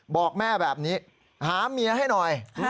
บอกแม่แบบนี้หาเมียให้หน่อย